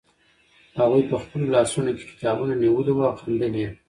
هغوی په خپلو لاسونو کې کتابونه نیولي وو او خندل یې.